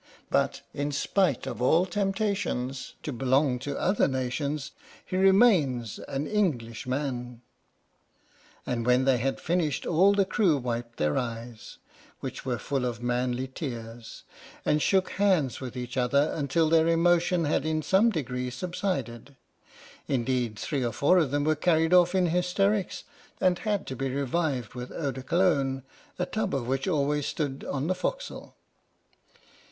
But, in spite of all temptations To belong to other nations, He remains an Englishman! And when they had finished, all the crew wiped their eyes (which were full of manly tears), and shook hands with each other until their emotion had in some degree subsided. Indeed three or four of them were carried off in hysterics, and had to be revived with eau de Cologne, a tub of which always stood on the forecastle.